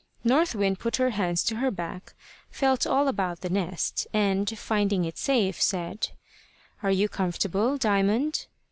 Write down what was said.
North Wind put her hands to her back, felt all about the nest, and finding it safe, said "Are you comfortable, Diamond?"